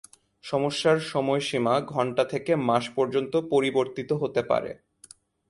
সমস্যার সময়সীমা ঘণ্টা থেকে মাস পর্যন্ত পরিবর্তিত হতে পারে।